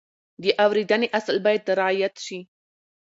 د اورېدنې اصل باید رعایت شي.